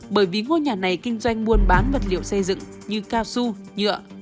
bởi vì ngôi nhà này kinh doanh buôn bán vật liệu xây dựng như cao su nhựa